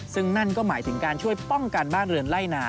ซึ่งนั่นก็หมายถึงการช่วยป้องกันบ้านเรือนไล่นา